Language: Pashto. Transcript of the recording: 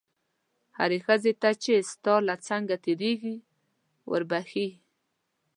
هرې ښځې ته چې ستا له څنګه تېرېږي وربښې.